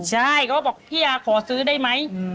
ใช่เขาบอกพี่อาขอซื้อได้ไหม